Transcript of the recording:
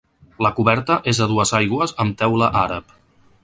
La coberta és a dues aigües amb teula àrab.